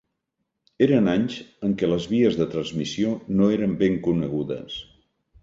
Eren anys en què les vies de transmissió no eren ben conegudes.